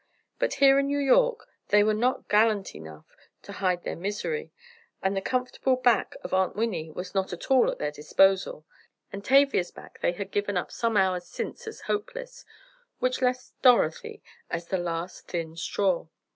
But here in New York they were not gallant enough to hide their misery, and the comfortable back of Aunt Winnie was not at all at their disposal, and Tavia's back they had given up some hours since as hopeless, which left Dorothy as the last thin straw!